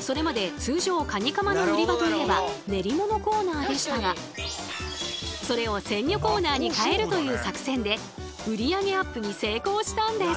それまで通常カニカマの売り場といえば練り物コーナーでしたがそれを鮮魚コーナーに変えるという作戦で売り上げアップに成功したんです。